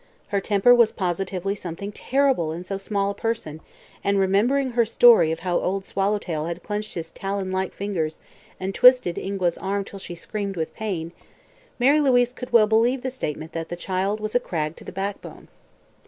Her temper was positively something terrible in so small a person and remembering her story of how Old Swallowtail had clenched his talon like fingers and twisted Ingua's arm till she screamed with pain, Mary Louise could well believe the statement that the child was "a Cragg to the backbone."